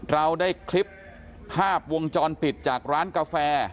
เราได้คลิปภาพวงจรปิดจากร้านกาแฟ